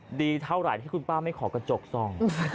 ดีเท่าไหร่ที่คุณป้าไม่ขอกระจกส่อง